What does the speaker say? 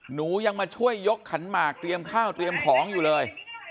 หนูยังมาช่วยยกขันหมากเตรียมข้าวเตรียมของอยู่เลย